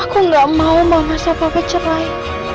aku gak mau mama siapa apa cerai